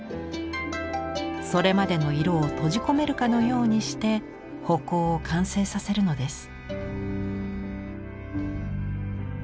それまでの色を閉じ込めるかのようにして葆光を完成させるのです。